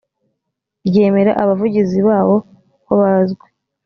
ryemera abavugizi bawo kobazwi